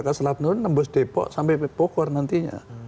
ke selatun nembus depok sampai pogor nantinya